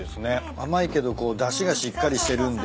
甘いけどだしがしっかりしてるんで。